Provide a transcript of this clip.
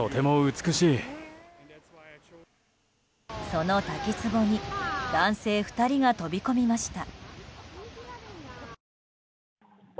その滝つぼに男性２人が飛び込みました。